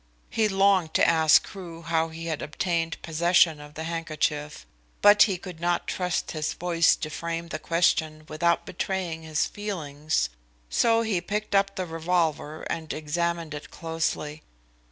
He longed to ask Crewe how he had obtained possession of the handkerchief, but he could not trust his voice to frame the question without betraying his feelings, so he picked up the revolver and examined it closely.